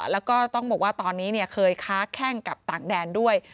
แล้วก็ต้องบอกว่าตอนนี้เคยค้าแข้งกับต่างแดนด้วย